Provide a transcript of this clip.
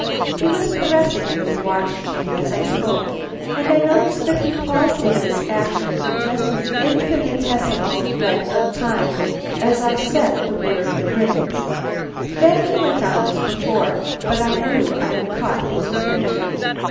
He was caressing his watch chain as I spoke, and I noticed that he paused in this action for just an infinitesimal length of time as I said the word rings. Then he went on as before, but I knew I had caught his attention.